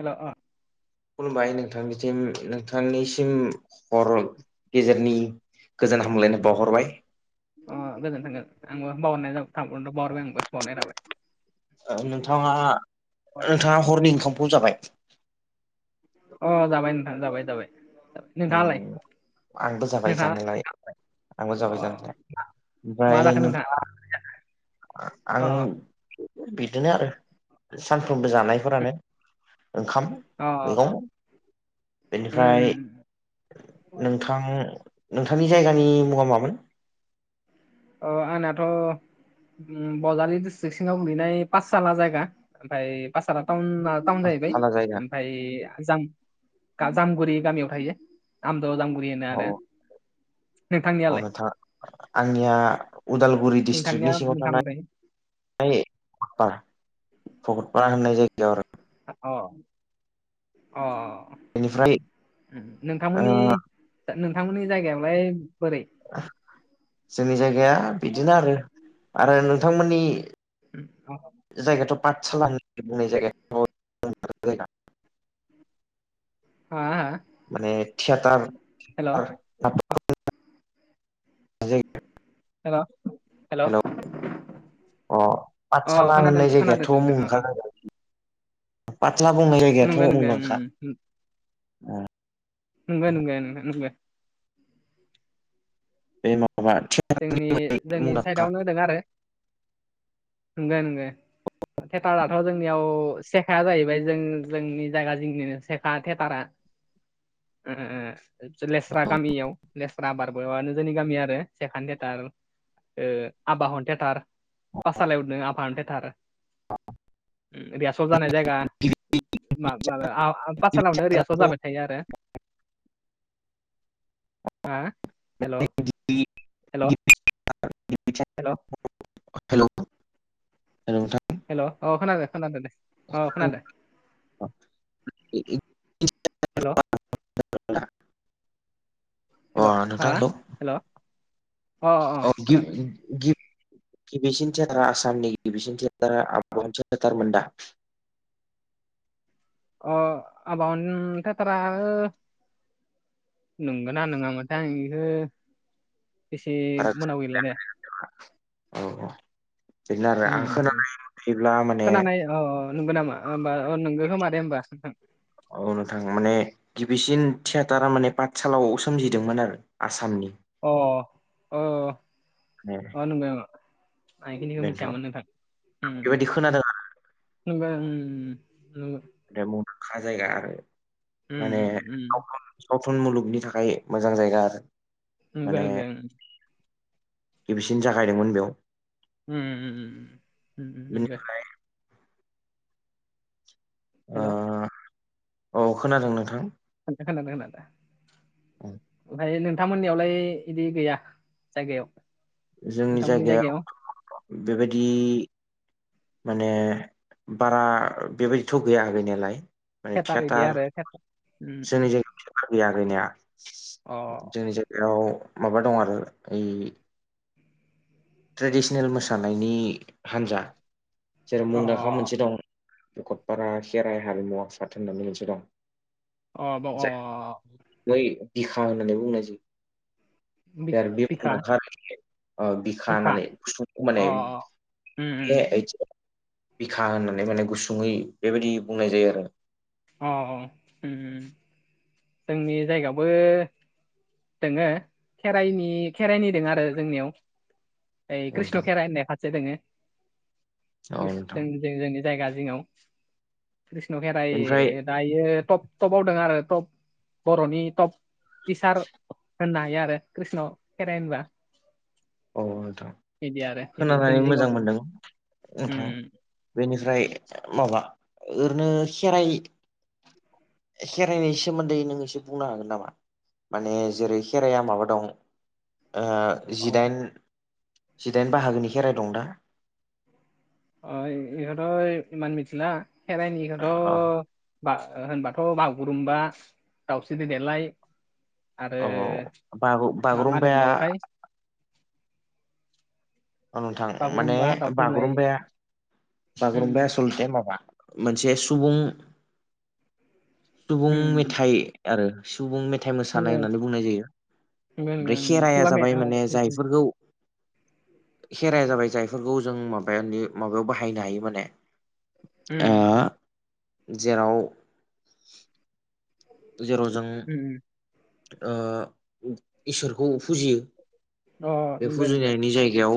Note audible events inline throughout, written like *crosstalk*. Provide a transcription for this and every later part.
हेल' अ खुलुमबाय नोंथांनिसिम नोंथांनिसिम हर गेजेरनि गोजान हामलायनाय बावहरबाय अ गोजोन थांगोन आंबो बावनाय जाबाय थ बावारबाय आंबो बावनाय जाबाय नोंथाङा नोंथाङा हरनि ओंखामखौ जाबाय। अ जाबाय नोंथां जाबाय जाबाय जाबाय नोंथाङालाय उम आंबो जाबाय नोंथाङा जानायलाय आंबो अ जाबाय जानायलाय मा ओमफ्राय जाखो नोंथाङा आं अ बिदिनो आरो सानफ्रोमबो जानायफोरानो ओंखाम अ मैगं बेनिफ्राय उम नोंथां नोंथांनि जायगानि मुङा मामोन ओ आंनाथ' बजालि डिस्ट्रिक सिङाव गोग्लैनाय पाठसाला जायगा ओमफ्राय पासाला टाउना टाउन जाहैबाय थाला जायगा ओमफाय जाम जामगुरि गामियाव थायो आमद जामगुरि होनो आरो अ नोंथांनियालाय नोंथां आंनिया उदालगुरि नोंथांनिया डिस्ट्रिकनि सिङाव नोंथां थानाय थायो? *unintelligible* भकतपारा होननाय जायगायाव आरो अ अ बेनिफ्राय ओ नोंथांमोननि नोंथांमोननि जायगायावलाय बोरै जोंनि जायगाया बिदिनो आरो आरो नोंथांमोननि *unintelligible* जायगायाथ' पाठसाला होना बुंनाय जायगा *unintelligible* हा *unintelligible* माने थियेटार हेल' *unintelligible* हेल' हेल' हेलौ अ अ पाठसाला खोनादों होननाय खोनादों जायगायाथ' नोंथां मुं अ अ ओंखारनांगोन पाठसाला बुंंनाय जायगायाथ' नंगौ नंगौ मुंदांखा उम उम नंगौ नंगौ नोंथां नंगौ बे माबा थियेटार जोंनि जोंनि साइडआवनो होदों आरो नंगौ नंगौ थियेटाराथ' जोंनियाव सेखाया जाहैबाय जों जोंनि जायगा जोंनिनो सेखा थियेटारा *inaudible* उम उम लेस्रा गामियाव लेस्रा बारबोबानो जोंनि गामिया आरो सेखानि थियेटार ओ आबाह हनो थियाेटार पाठसालायावदों आबाहन थियेटार रियासल जानाय जायगा मा माबाया पाठसालावनो रियासल जाबाय थायो आरो हो हेल' *unintelligible* हेल' हेल' हेल' नोंथां हेल' औ खोनादों खोनादों दे अ खोनादों हेल' *unintelligible* अ हेल' हा हेल' अ औ गिब खोनादों गिब गिबिसिन थियेटारा आसामनि गिबिसिन थियेटारा आगोलाव सेथारमोनदा *unintelligible* अ आबाहन थियेटार आरो नंगोना नङा मोनथाया आं बेखौ बेसे फाराग मोनाव गैला दे औ औ बिनो आरो उम आं उम उम। खोनानाय मथेब्ला माने खोनानाय अ नोंगौ नामा होमबा अ नोंगो खोमा दे होमबा औ नोंथां माने गिबिसिन थियाेटारा माने पाठसालाव सोमजिदोंमोन आरो आसामनि अ ओ उम *unintelligible* नोंगो आं बेखिखौ मिथियामोन नोंथां बेबायदि खोनादों होमबा नंगौ *unintelligible* बे मुंदांखा जायगा आरो उम माने उम सावथुन सावथुन मुलुगनि थाखाय मोजां जायगा आरो नंगौ माने नंगौ उम गिबिसिन जागायदोंमोन बेयाव उम बिनि दे आ हेल' औ खोनादों नोंथां खोनसे खोनादों होन दा ओमफाय *unintelligible* नोंथांमोननियावलाय बिदि गैया जायगायाव जोंनि जायगायाव बेबायदि माने बारा बेबायदिथ' गैया गैनायालाय माने इदि थियाटार आरो थियाटार उम जोंनि उम ज गैया गैनाया अ जोंनि बेयाव माबा दं आरो ओइ ट्रेडिसनेल मोसानायनि हान्जा जेराव अ मुंदांखा मोनसे दं। भकतपारा खेराइ हारिमु आफाद होननानै मोनसे दं। अ दङ' जाय बै बिखा होननानै बुंनायसै बिखा आरो बे बिखा फ बिखा बिखानानैसखौ अ माने उम ए बिखा होननानै माने गुसुङै बेबायदि बुंनाय जायो आरो अ उम जोंनि जायगायावबो दङो खेराइनि खेराइनि दङ आरो जोंनियाव ओइ कृष्ण नोंथां खेराइ होननाय खाथि *unintelligible* औ नोंथां कृष्ण बेनिफ्राय खेराइ दायो टप टप आदों आरो टप बर'नि टप बिसार होननो हायो आरो कृष्णआव खेराइ होनबा औ नोंथां बिदि आरो बिदि खोनानानै जोंनि जिङाव मोजां दों मोनदों नोंथां उम बेनिफ्राय माबा ओरैनो खेराइ खेराइनायनि सोमोन्दै नों एसे बुंनो हागोन नामा? माने जेरै खेराइाया माबा दं ओ अ जिदाइन बाहागोनि खेराइ दं दा अ इहथ' इमान मिथिला हेरनि इहथ' अ ब होनबाथ' बागुरुमबा दाउस्रि दैेदेरलाय आरो औ बागु मा मा बागुरुम्बाया दंबावोथाय नोंथां माने बागुरुम्बा दाउस्रि देलाय बागुरुमबाया बागुरुम्बाया उम सलथे माबा मोनसे सुबुं सुबुं उम मेथाइ आरो सुबुं मेथाइ मोसानाय नंगौ होननानै बुंनाय जायो। नंगौ नंगौ ओमफ्राय उम खेराया खुगा मे जाबाय ओ माने उम जायफोरखौ खेरा जाबाय जायफोरखौ जों माबानि माबायाव बाहायनो हायो माने ओ उम जेराव जेराव जों उम इसोरखौ फुजियो। अ बे नंगौ नंगौ फुजिनायनि जायगायाव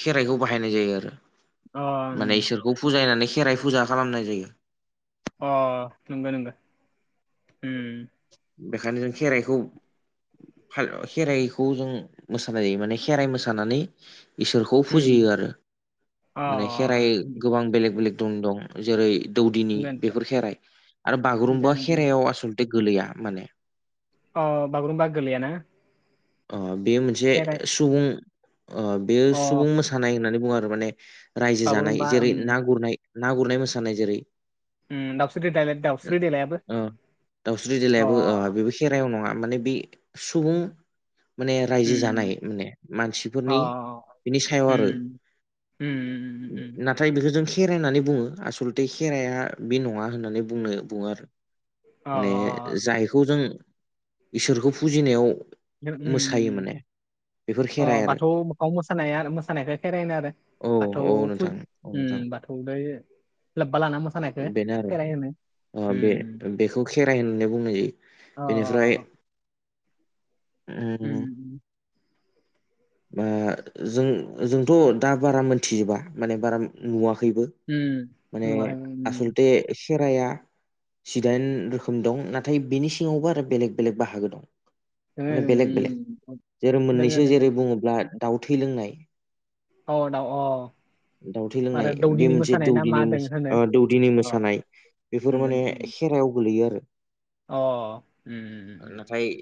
खेराइखौ बाहायनाय जायो आरो अ माने उम इसोरखौ फुजायनानै खेराइ फुजा खालामनाय जायो। अ नंगौ नंगौ उम बेखायनो जों खेराइखौ खेराइखौ जों मोसानाय जायो माने खेराइ मोसानानै इसोरखौ उम फुजियो आरो अ माने खेराइ गोबां बेलेग बेलेग दं जेरै दौदिनि नंगौ नंगौ बेफोर खेराइ आरो बागुरुम्बा ओमफ्राय खेर आसल गोरलैया माने अ बागुरुम्बा गोरलैयाना बेयो मोनसे सुबुं बेयो अ सुबुं मोसानाय होननानै बुङो आरो माने रायजो जानाय बागुरुम्बा जेरै ओं ना गुरनाय ना गुरनाय मोसानाय जेरै उम दाउस्रि देलाय दाउस्रि देलायाबो दाउस्रि अ देलायाबो बेबो खेराइायाव नङा माने बे सुबुं माने रायजो उम जानाय माने अ मानसिफोरनि बिनि सायाव आरो उम उम उम नाथाय बेखौ जों खेराइ होननानै बुङो आसलथे खेराइाया बे नङा होननानै बुंनो बुङो आरो अ माने जायखौ जों इसोरखौ फुजिनायाव मोसायो माने बेफोर अ खेराइ आरो बाथौ मोखौ मोसानाया मोसानायखौ खेरायनो आरो औ बाथौ औ नोंथां औ फुजा नोंथां बाथौलाय सेल बला ना मोसानखो बेनो आरो खेरनो बे बेखौ खेराइ होननानै बुंनाय जायो बेनिफ्राय अ उम *inaudible* बा जों जोंथ' दा बारा मोनथिजोबा माने बारा नुवाखैबो उम माने नुवाखै उम आसलथे खेराइाया सिदाइन रोखोम दं नाथाय बिनि सिङावबो आरो बेलेग बेलेग बाहागो दं माने दोङो बेलेग बेलेग उम जेरै दोङो मोननैसो दोङो जेरै दोङो बुङोब्ला दाउ थै लोंनाय औ दा अ दाउथै आरो लोंनाय बे दौदिनि मोनसे मोसानाय ना मा दौदिनि दों होनो दौदिनि अ मोसानाय बेफोर नंगौ माने नंगौ। खेरायाव गोलैयो आरो अ उम उम जाय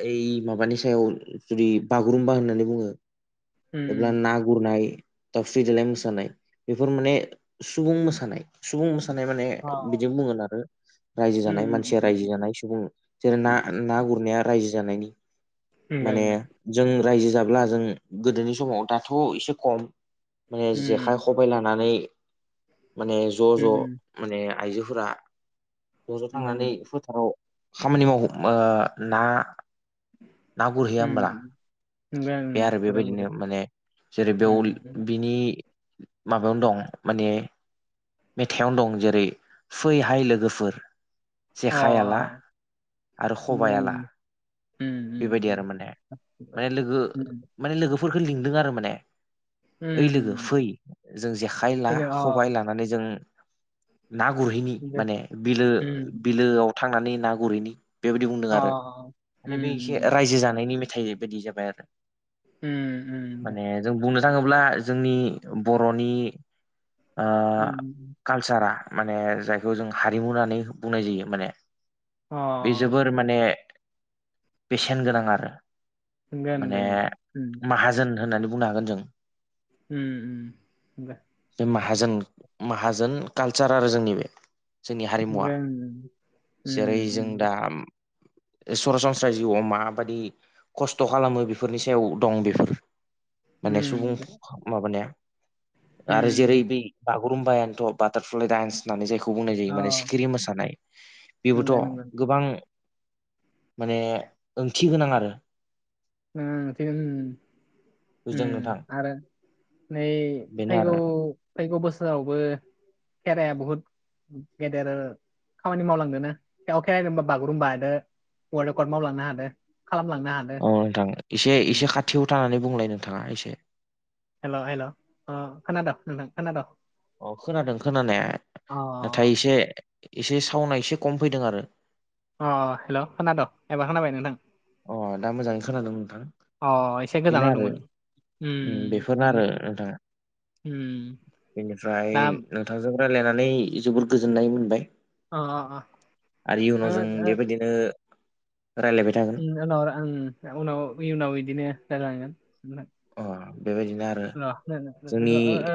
ओइ माबानि सायाव जुदि बागुरुम्बा होननानै बुङो एब्ला उम ना गुरनाय दावस्रि देेलाय मोसानाय बेफोर माने सुबुं मोसानाय सुबुं मोसानाय माने अ बिदिनो बुंगोन आरो रायजो उम जानाय उम मानसिया रायजो जानाय सुबुं जेरै ना उम ना गुरनाया रायजो जानायनि नंगौ माने नंगौ जों रायजो जाब्ला जों गोदोनि समाव दाथ' एसे खम माने उम जेखाइ खब बाय लानानै माने ज' उम ज' माने आइजोफोरा ज' ज' नंगौ थांनानै फोथाराव खामानि माव ना ना गुरहैया होमब्ला उम उम नंगौ बे ओं आरो गुरो गुरो बेबायदिनो माने जेरै उम उम बेयाव बिनि माबायावनो दं माने मेथाइआवनो दं जेरै फैहाय लोगोफोर अ जेखायाला आरो नों सबायाइला उम उम बेबायदि उम आरो माने माने लोगो उम माने लोगोफोरफोरखौ लिंदों आरो माने ओइ लोगो फै उम जों जेखाइ ला फैनो खबाय अ लानानै जों ना गुरहैनि नंगौ माने बिलो उम बिलोआव थांनानै ना गुरहैनि बेबायाददि बुंदों अ आरो माने बे उम एसे उम रायजो जानायनि मेथाइ बायदि जाबाय आरो उम माने जों बुंनो थाङोब्ला जोंनि बर'नि उम कालसारा माने जायखौ जों हारिमु होननानै बुंनाय जायो माने बे जोबोर उम अ माने बेसेन गोनां आरो नोंगौ माने नोंगौ औ माहाजोन होननानै बुंनो हागोन जों उम उम बे माहाजोन माहाजोन कालचार आरो जोंनि बे जोंनि हारिमुवा जेरै जों दा सरासनस्रा जिउआव माबादि खस्थ' खालामो बेफोरनि सायाव दं बेफोर माने सुबुं माबानाया आरो जेरै बे गुरुमबायानोथ' बाटारफ्लाइ दानस होननानै जायखौ बुंनाय जायो माने सिखिरि मोसानाय बेबोथ' नंगौ नंगौ गोबां माने ओंथि गोनां आरो *unintelligible* बुजिदों नोंथां आरो नै बेनो आरो फैगौ फैगौ बोसोरावबो खेराइआ बहुत गेदेर खामानि मावलांदोना *unintelligible* बागुरुम्बादो वारल्ड रेकर्ड मावलांनो हादों खालामलांनो हादों अ नोंथां एसे एसे खाथियाव थानानै बुंलाय नोंथाङा एसे हेल' हेल' ओ खोनाद' नोंथां खोनाद'? अ खोनादों खोनानाया अ नाथाय एसे एसे सावनाय एसे खम फैदों आरो। अ हेल' खोनाद' एबार खोनाबाय नोंथां? अ दा मोजाङै खोनादों नोंथां अ एसे गोजानाव बेनो दंमोन आरो। उम बेफोरनो आरो नोंथाङा उम बेनिफ्राय दा नो नोंथांजों रायलायनानै जोबोर गोजोननाय मोनबाय। अ आरो अ ओ, इयुनाव जों बेबायदिनो रायलायबाय था बिनि उनाव उनाव इयनाव इदिनो जालांगोन। अ बेबायदिनो आरो र-र जोंनि ओ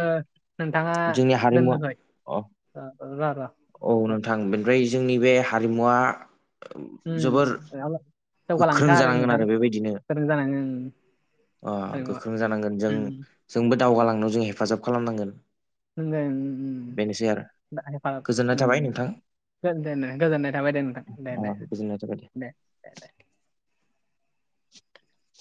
नोंथाङा जोंनि हारिमुवा दोननोसय? अ ओ र-र औ नोंथां बेनिफ्राय जोंनि बे हारिमुवा उम जोबोर उम, गोख्रों जौगालांथों जानांगोन नोंथां आरो बेबायदिनो। गोरों जानानै उम अ हारिमुवा गोख्रों जानांगोन जों उम जोंबो दावगालांनायाव जों हेफाजाब खालामनांगोन। *inaudible* ओम बेनोसै आरो गोजोननाय उम थाबाय नोंथां दे गोजोननाय थाबाय दे नोंथां दे अ दे गोजोननाय थाबाय दे। दे दे। *inaudible*